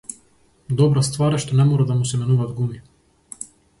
Добра ствар е што не мора да му се менуваат гуми.